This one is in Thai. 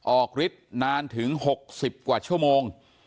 ฤทธิ์นานถึง๖๐กว่าชั่วโมง